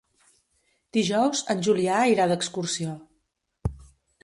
Dijous en Julià irà d'excursió.